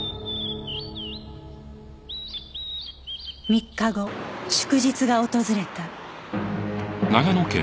３日後祝日が訪れた